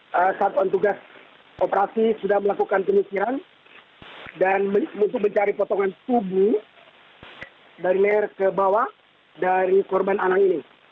peraturan tugas operasi sudah melakukan penyisiran dan mencari potongan tubuh dari daerah ke bawah dari korban anang ini